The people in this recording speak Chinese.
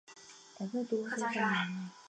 福建乡试第四十八名。